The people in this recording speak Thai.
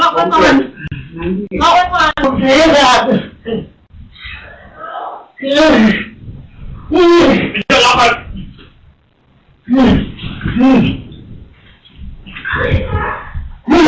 ผมไม่อยากมารี่อีกมันตายไปแล้วเนี่ย